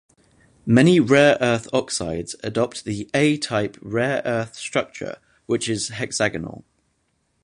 Many rare earth oxides adopt the "A-type rare earth structure" which is hexagonal.